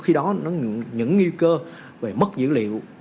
thì như vậy lúc đó những nguy cơ về mất dữ liệu